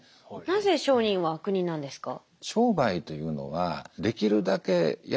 なぜ商人は悪人なんですか？